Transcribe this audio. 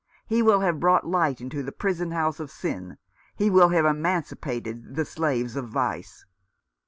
He will have brought light into the prison house of sin, he will have emancipated the slaves of vice."